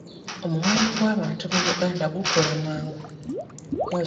Omuwendo gw'abantu mu Uganda gukula mangu.